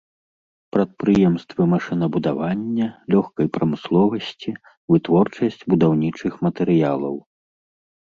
Прадпрыемствы машынабудавання, лёгкай прамысловасці, вытворчасць будаўнічых матэрыялаў.